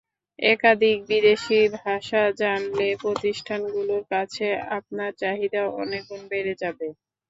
একাধিক বিদেশি ভাষা জানলে প্রতিষ্ঠানগুলোর কাছে আপনার চাহিদা অনেক গুণ বেড়ে যাবে।